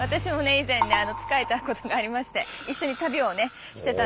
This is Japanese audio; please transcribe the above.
以前ね仕えたことがありまして一緒に旅をねしてたんですけれどもね。